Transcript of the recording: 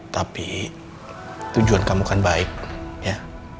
tapi tujuan kamu kan baik ya